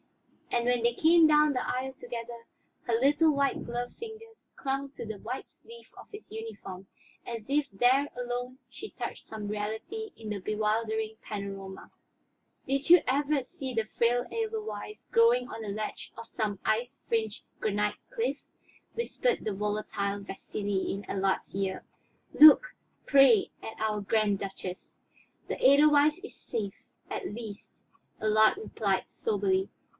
And when they came down the aisle together, her little white gloved fingers clung to the white sleeve of his uniform as if there alone she touched some reality in the bewildering panorama. "Did you ever see the frail edelweiss growing on a ledge of some ice fringed granite cliff?" whispered the volatile Vasili in Allard's ear. "Look, pray, at our Grand Duchess." "The edelweiss is safe, at least," Allard replied soberly.